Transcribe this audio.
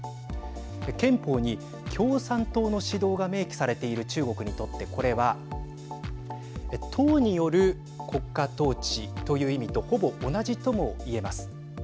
憲法に共産党の指導が明記されている中国にとってこれは党による国家統治という意味とほぼ同じともいえます。